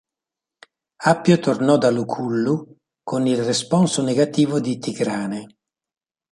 Appio tornò da Lucullo, con il responso negativo di Tigrane.